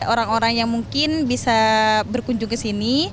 orang orang yang mungkin bisa berkunjung ke sini